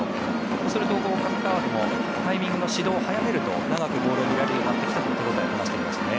そうするとタイミングの指導を早めると長くボールを見られるようになってきたと話していましたね。